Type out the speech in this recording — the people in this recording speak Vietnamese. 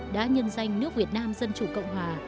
đã nhân danh nước việt nam dân chủ cộng hòa